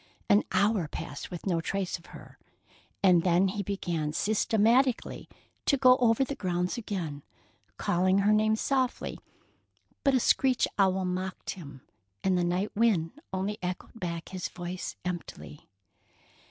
An hour passed with no trace of her, and then he began systematically to go over the grounds again, calling her name softly; but a screech owl mocked him, and the night wind only echoed back his voice emptily.